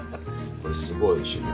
これすごいおいしいの。